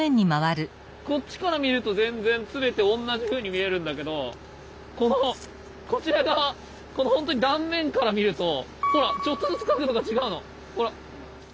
こっちから見ると全然全て同じふうに見えるんだけどこのこちら側ほんとに断面から見るとほらちょっとずつ角度が違うの。